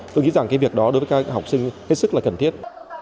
tôi nghĩ rằng cái việc đó đối với các học sinh hết sức là cần thiết